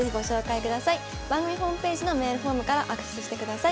番組ホームページのメールフォームからアクセスしてください。